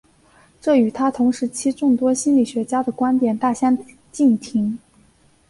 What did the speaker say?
这与他同时期众多心理学家的观点大相径庭。